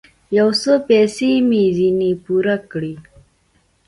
يو څه پيسې مې ځنې پور کړې.